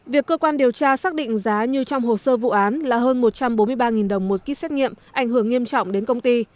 việc cơ quan điều tra xác định giá như trong hồ sơ vụ án là hơn một trăm bốn mươi ba đồng một ký xét nghiệm ảnh hưởng nghiêm trọng đến công ty